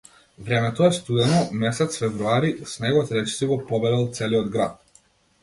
Времето е студено, месец февруари, снегот речиси го побелел целиот град.